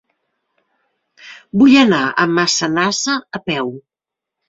Vull anar a Massanassa a peu.